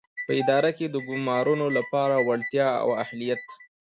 په اداره کې د ګومارنو لپاره وړتیا او اهلیت.